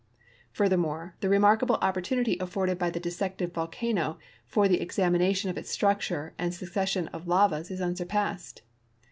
Furthermore, the remarkable opportunity afforded by the dissected volcano for the examina tion of its structure and succession of lavas is unsurpassed.